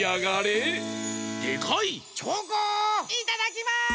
いただきます！